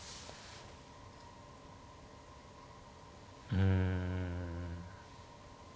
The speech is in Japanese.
うん。